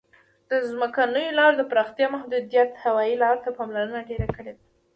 د ځمکنیو لارو د پراختیا محدودیت هوایي لارو ته پاملرنه ډېره کړې.